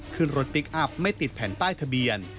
ขึ้นรถพลิกอัพไม่ติดแผ่นป้ายทะเบียน